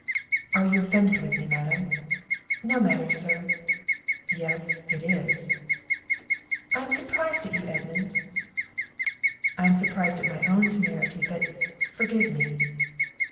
"Are you offended with me, madam?" "No matter, sir." "Yes, it is." "I am surprised at you, Edmund." "I am surprised at my own temerity; but, forgive me."